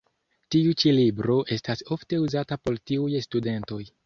Tiu ĉi libro estas ofte uzata por tiuj studentoj.